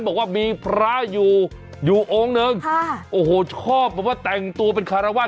บอกว่ามีพระอยู่อยู่องค์หนึ่งค่ะโอ้โหชอบแบบว่าแต่งตัวเป็นคารวาส